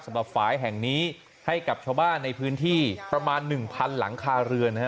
ฝ่ายแห่งนี้ให้กับชาวบ้านในพื้นที่ประมาณ๑๐๐หลังคาเรือนนะฮะ